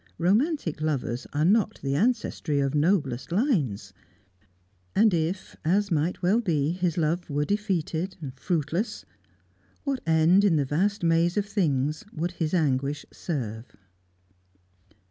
Romantic lovers are not the ancestry of noblest lines. And if as might well be his love were defeated, fruitless, what end in the vast maze of things would his anguish serve?